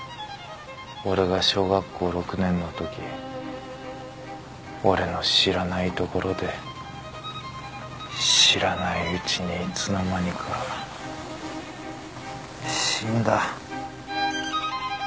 俺が小学校６年のとき俺の知らない所で知らないうちにいつの間にか死んだ。